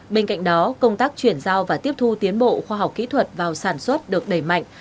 bên cạnh đó công tác chuyển giao và tiếp thu tiến bộ khoa học kỹ thuật vào sản xuất được đẩy mạnh